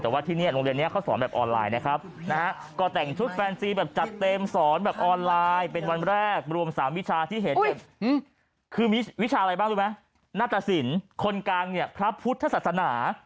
วิชาอะไรบ้างรู้ไหมนาศาสิรคนกลางเนี่ยพระพุทธศาสนา